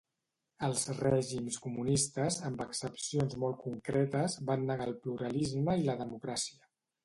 Els règims comunistes, amb excepcions molt concretes, van negar el pluralisme i la democràcia.